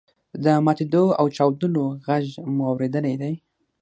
د ماتیدو او چاودلو غږ مو اوریدلی دی.